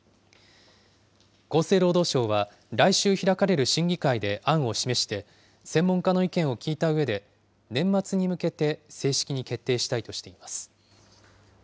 厚生労働省は、来週開かれる審議会で案を示して、専門家の意見を聞いたうえで、年末に向けて正式に決定したいとしています。